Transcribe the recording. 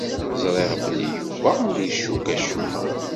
Ẓriɣ belli Yuba ur icukk acemma.